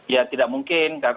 ya tidak mungkin